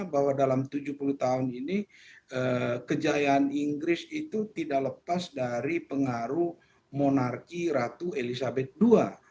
bahwa dalam tujuh puluh tahun ini kejayaan inggris itu tidak lepas dari pengaruh monarki ratu elizabeth ii